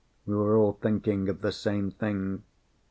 We were all thinking of the same thing.